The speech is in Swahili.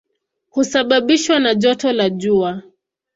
Husababishwa na joto la jua.